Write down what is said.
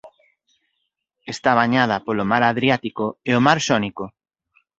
Está bañada polo Mar Adriático e o Mar Xónico.